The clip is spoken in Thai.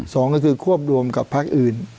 สองก็คือควบรวมกับพักอื่น